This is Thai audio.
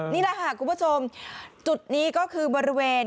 นี่แหละค่ะคุณผู้ชมจุดนี้ก็คือบริเวณ